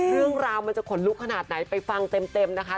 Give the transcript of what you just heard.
เรื่องราวมันจะขนลุกขนาดไหนไปฟังเต็มนะคะ